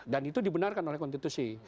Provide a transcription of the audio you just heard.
dan itu dibenarkan oleh konstitusi